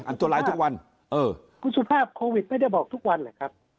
อันตรายทุกวันเออคุณสุภาพโควิดไม่ได้บอกทุกวันแหละครับ